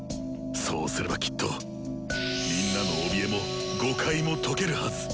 そうすればきっとみんなのおびえも誤解も解けるはず！